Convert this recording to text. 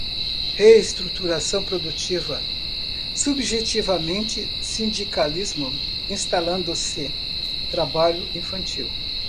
Reestruturação produtiva, subjetivamente, sindicalismo, instalando-se, trabalho infantil